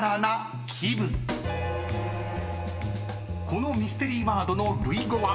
［このミステリーワードの類語は］